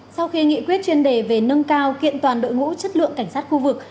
sau khi nghị quyết chuyên đề về nâng cao kiện toàn đội ngũ chất lượng cảnh sát khu vực